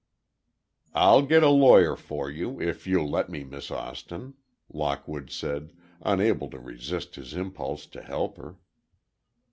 "I'll get a lawyer for you, if you'll let me, Miss Austin," Lockwood said, unable to resist his impulse to help her.